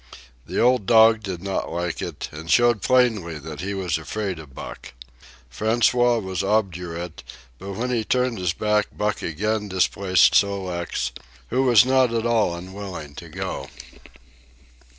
The old dog did not like it, and showed plainly that he was afraid of Buck. François was obdurate, but when he turned his back Buck again displaced Sol leks, who was not at all unwilling to go.